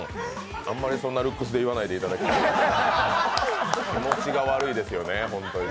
あんまりそんなルックスで言わないでいただけると気持ちが悪いですよね、本当に。